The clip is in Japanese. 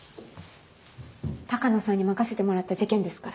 鷹野さんに任せてもらった事件ですから。